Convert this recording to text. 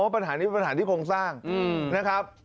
ปัญหานี้เป็นปัญหาที่โครงสร้างนะครับ